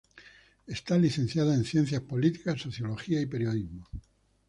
Es licenciada en Ciencias Políticas, Sociología y Periodismo.